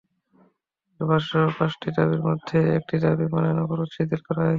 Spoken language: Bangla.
তাঁদের ভাষ্য, পাঁচটি দাবির মধ্যে একটি দাবি মানায় অবরোধ শিথিল করা হয়েছে।